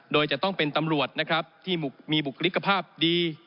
โดยจะต้องเป็นตำรวจนะครับที่มีบุคลิกภาพดี